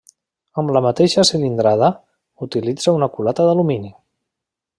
Amb la mateixa cilindrada, utilitza una culata d'alumini.